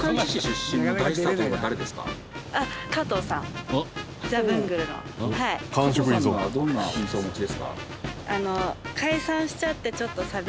加藤さんにはどんな印象をお持ちですか？